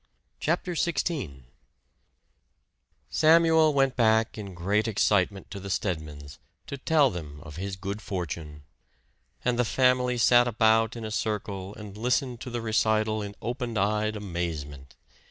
CHAPTER XVI Samuel went back in great excitement to the Stedmans', to tell them of his good fortune. And the family sat about in a circle and listened to the recital in open eyed amazement.